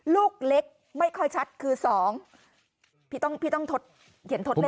ลูกเล็กไม่ค่อยชัดคือ๒พี่ต้องทดเห็นทดเลขกันเหรอ